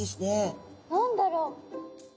何だろう？